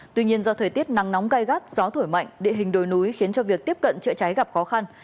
tuy nhiên do thời tiết nắng nóng gai gắt gió thổi mạnh địa hình đồi núi khiến cho việc tiếp cận chữa cháy gặp khó khăn